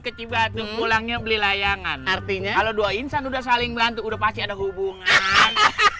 ke cibatu pulangnya beli layangan artinya kalau dua insan udah saling bantu udah pasti ada hubungan